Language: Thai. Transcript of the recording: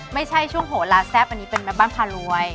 ไม่ใช่ช่วงโหลาแซ่บอันนี้เป็นแม่บ้านพารวย